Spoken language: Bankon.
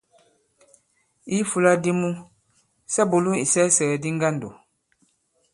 I ifūla di mu, sa bùlu isɛɛsɛ̀gɛ̀di ŋgandò.